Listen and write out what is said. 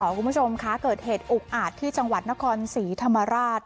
คุณผู้ชมคะเกิดเหตุอุกอาจที่จังหวัดนครศรีธรรมราช